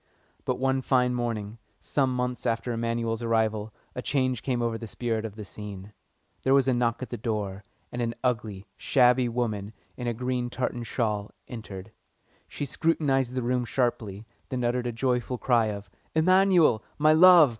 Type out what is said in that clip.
But one fine morning, some months after Emanuel's arrival, a change came over the spirit of the scene. There was a knock at the door, and an ugly, shabby woman, in a green tartan shawl, entered. She scrutinised the room sharply, then uttered a joyful cry of "Emanuel, my love!"